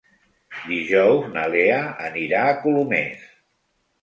Dijous na Lea anirà a Colomers.